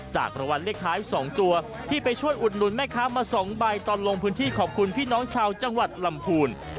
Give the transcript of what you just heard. รางวัลเลขท้าย๒ตัวที่ไปช่วยอุดหนุนแม่ค้ามา๒ใบตอนลงพื้นที่ขอบคุณพี่น้องชาวจังหวัดลำพูน